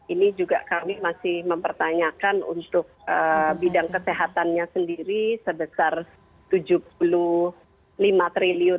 ini juga kami masih mempertanyakan untuk bidang kesehatannya sendiri sebesar rp tujuh puluh lima triliun